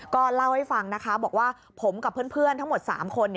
ก็เล่าให้ฟังนะคะบอกว่าผมกับเพื่อนทั้งหมด๓คน